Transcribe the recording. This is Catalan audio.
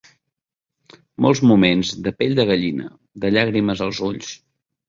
Molts moments de pell de gallina, de llàgrimes als ulls.